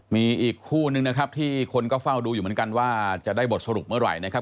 มีอีกคู่นึงนะครับที่คนก็เฝ้าดูอยู่เหมือนกันว่าจะได้บทสรุปเมื่อไหร่นะครับ